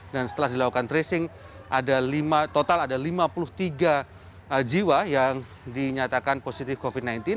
dan setelah dilakukan tracing total ada lima puluh tiga jiwa yang dinyatakan positif covid sembilan belas